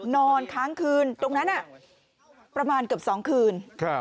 นอนค้างคืนตรงนั้นประมาณเกือบ๒คืน